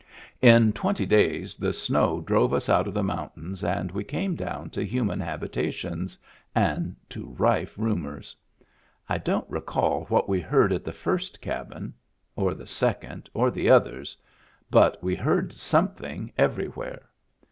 In twenty days the snow drove us out of the mountains and we came down to human habitations — and to rife rumors. I don't recall what we heard at the first cabin — or the second or the others — but we heard something everywhere.